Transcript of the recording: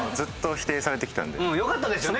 うん。よかったですよね